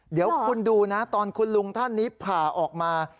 เดี๋ยวคุณดูนะตอนคุณลุงท่านนี้ผ่าออกมา